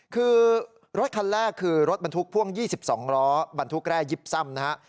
คือรถคันแรกคือรถบรรทุกพ่วง๒๒ล้อบรรทุกแร่ยิบซ่ำนะฮะ